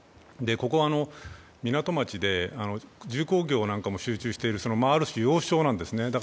ここは港町で重工業なんかも集中しているある種要衝なんですね。